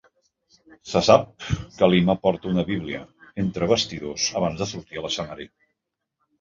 Se sap que Lima porta una Bíblia entre bastidors abans de sortir a l'escenari.